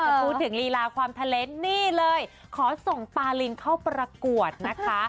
พูดถึงลีลาความเทลนด์นี่เลยขอส่งปาลินเข้าประกวดนะคะ